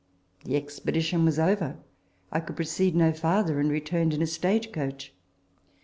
The expedition was over ; I could proceed no farther, and returned in a stage coach.